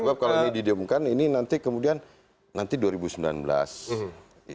sebab kalau ini didiumkan ini nanti kemudian nanti dua ribu sembilan belas